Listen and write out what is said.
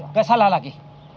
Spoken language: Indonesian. enggak salah lagi